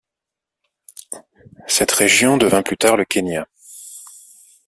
Cette région devint plus tard le Kenya.